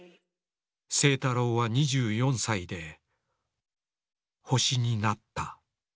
清太郎は２４歳で星になった。